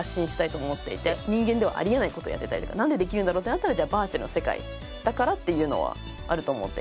人間ではあり得ない事やってたりとかなんでできるんだろうってなったらじゃあバーチャルの世界だからっていうのはあると思っていて。